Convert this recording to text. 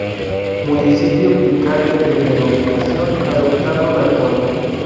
Municipio que cambia de denominación, adoptando la actual.